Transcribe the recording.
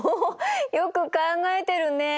よく考えてるね。